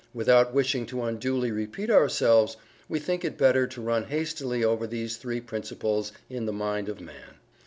Without wishing to unduly repeat ourselves, we think it better to run hastily over these three Principles in the mind of Man.